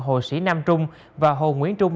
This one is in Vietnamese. hồ sĩ nam trung và hồ nguyễn trung